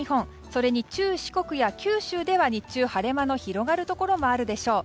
それに中四国や九州では日中、晴れ間の広がるところもあるでしょう。